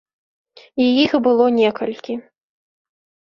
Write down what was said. І іх было некалькі.